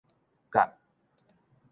角